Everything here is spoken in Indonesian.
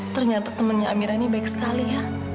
ternyata temannya amira ini baik sekali ya